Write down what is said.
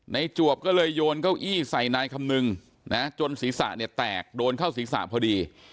จวบก็เลยโยนเก้าอี้ใส่นายคำนึงนะจนศีรษะเนี่ยแตกโดนเข้าศีรษะพอดี